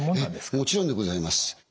もちろんでございます。